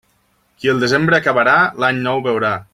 Qui el desembre acabarà, l'Any Nou vorà.